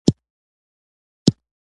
نن مې ټوله ورځ د بېلچې لاستي نري کړ.